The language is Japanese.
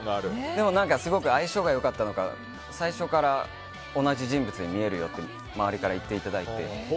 でも、すごく相性が良かったのか最初から同じ人物に見えるよって周りから言っていただいて。